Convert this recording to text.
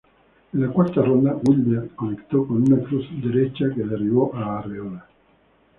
En la cuarta ronda, Wilder conectó con una cruz derecha que derribó a Arreola.